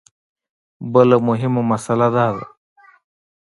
بله مهمه مسله دا ده.